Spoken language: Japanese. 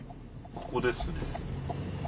ここですね。